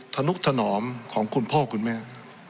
ธนุกถนอมของคุณพ่อคุณแม่